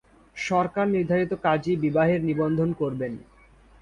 সরকার নির্ধারিত কাজী বিবাহের নিবন্ধন করবেন।